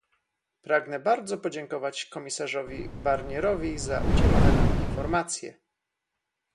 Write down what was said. Pragnę bardzo podziękować komisarzowi Barnierowi za udzielone nam informacje